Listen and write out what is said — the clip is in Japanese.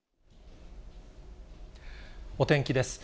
お天気です。